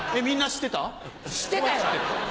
知ってたよ！